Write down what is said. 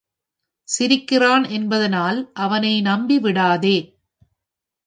சிரிக்கிறான் என்பதனால் அவனை நம்பிவிடாதே.